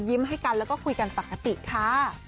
ให้กันแล้วก็คุยกันปกติค่ะ